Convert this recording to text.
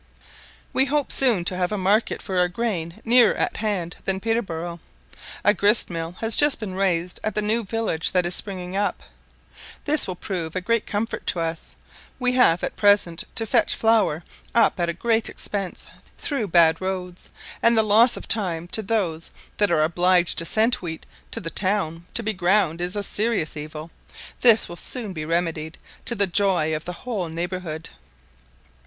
We hope soon to have a market for our grain nearer at hand than Peterborough; a grist mill has just been raised at the new village that is springing up. This will prove a great comfort to us; we have at present to fetch flour up at a great expense, through bad roads, and the loss of time to those that are obliged to send wheat to the town to be ground, is a serious evil; this will soon be remedied, to the joy of the whole neighbourhood.